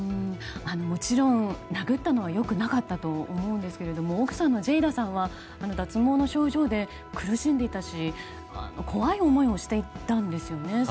もちろん殴ったのはよくなかったと思うんですけども奥さんのジェイダさんは脱毛の症状で苦しんでいたし怖い思いもしていたんですよね。